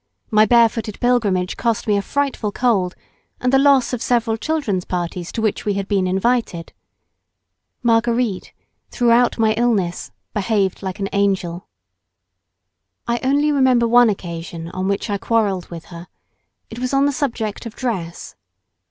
My bare footed pilgrimage cost me a frightful cold and the loss of several children's parties to which we had been invited. Marguerite, throughout my illness, behaved like an angel. I only remember one occasion on which I quarrelled with her——it was on the subject of dress.